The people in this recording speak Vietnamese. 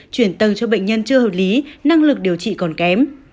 chuyển từ cho bệnh nhân chưa hợp lý năng lực điều trị còn kém